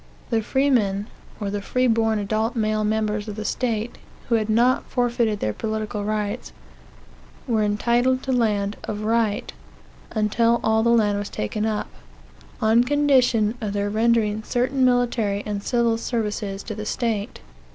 The freemen, or the free born adult male members of the state who had not forfeited their political rights were entitled to land of right, (until all the land was taken up,) on condition of their rendering certain military and civil services, to the state.